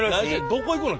どこ行くの？